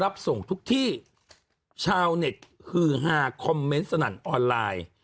ของทุกที่ชาวเน็ตคือหาคอมเม้นต์สนันต์ออนไลน์